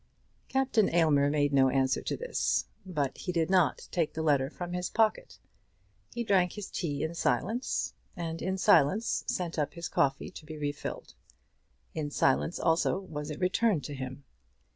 Captain Aylmer made no answer to this, but he did not take the letter from his pocket. He drank his tea in silence, and in silence sent up his cup to be refilled. In silence also was it returned to him.